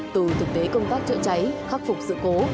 từ thực tế công tác chữa cháy khắc phục sự cố